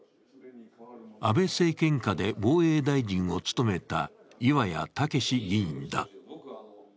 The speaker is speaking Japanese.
安倍政権下で防衛大臣を務めた岩屋毅議員だ。